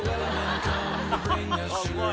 うまい！